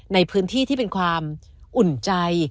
ในพื้นที่ที่เป็นความอุ่นใจ